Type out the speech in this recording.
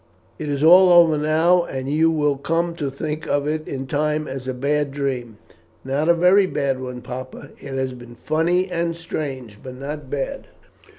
"It is all over now, and you will come to think of it in time as a bad dream." "Not a very bad one, papa. It has been funny and strange, but not bad.